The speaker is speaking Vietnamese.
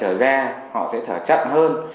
thở ra họ sẽ thở chậm hơn